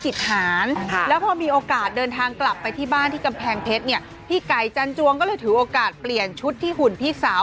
สาวแล้วก็พี่น้องของแม่พึ่งอย่างพี่โอ่งสลักจิตพี่ไก่จ